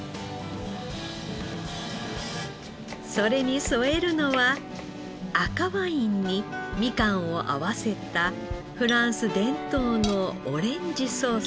それに添えるのは赤ワインにみかんを合わせたフランス伝統のオレンジソース。